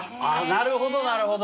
なるほどなるほど。